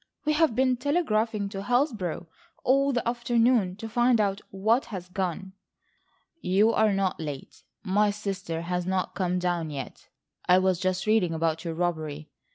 We have been telegraphing to Hillsborough all the afternoon to find out what has gone." "You are not late. My sister has not come down yet. I was just reading about your robbery.